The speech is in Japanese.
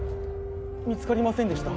・見つかりませんでした・